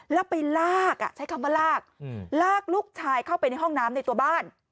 แล้วไปลากใช้คำว่าลากลากลูกชายเข้าไปในห้องน้ำในตัวบ้าน